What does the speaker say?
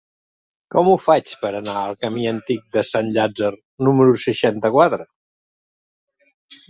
Com ho faig per anar al camí Antic de Sant Llàtzer número seixanta-quatre?